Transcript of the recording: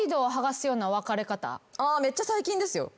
あめっちゃ最近ですよ。